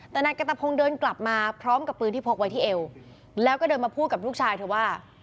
แต่นายกันตะพงศ์เดินกลับมาพร้อมกับปืนที่พกไว้ที่เอวแล้วก็เดินมาพูดกับลูกชายเธอว่า